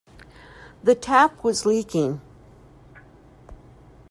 The tap was leaking.